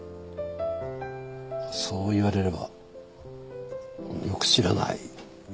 そう言われればよく知らないですよね。